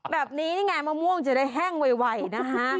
แบบนี้นี่ไงมะม่วงจะได้แห้งไวนะคะ